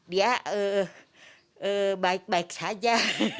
dia baik baik saja